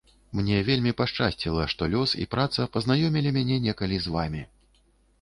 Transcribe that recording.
Мне вельмі пашчасціла, што лёс і праца пазнаёмілі мяне некалі з вамі.